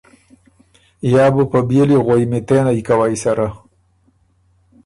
یا بُو په بيېلی غوئمیتېنئ کوئ سره۔